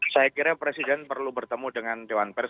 saya kira presiden perlu bertemu dengan dewan pers